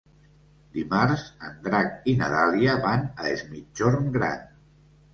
Dimarts en Drac i na Dàlia van a Es Migjorn Gran.